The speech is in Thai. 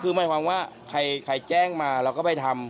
คือหมายความว่าใครแจ้งมาเราก็ไปทำ